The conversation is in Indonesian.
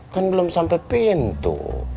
kan belum sampe pintu